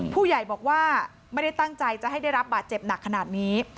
ผู้ใหญ่บอกว่าไม่ได้ตั้งใจจะให้ได้รับบาดเจ็บหนักขนาดนี้